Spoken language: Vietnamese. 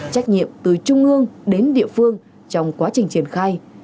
trách nhiệm từ trung ương đến địa phương trong quá trình triển khai